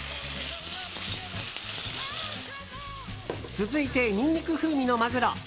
続いてニンニク風味のマグロ。